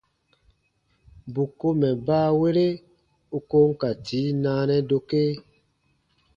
Bù ko mɛ̀ baawere u ko n ka tii naanɛ dokee.